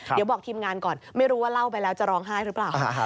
เดี๋ยวบอกทีมงานก่อนไม่รู้ว่าเล่าไปแล้วจะร้องไห้หรือเปล่า